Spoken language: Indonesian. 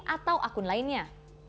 atau akun google